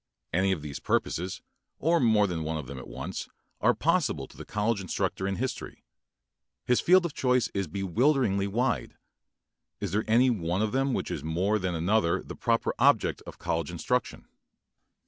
Any of these purposes, or more than one of them at once, are possible to the college instructor in history. His field of choice is bewilderingly wide. Is there any one of them which is more than another the proper object of college instruction?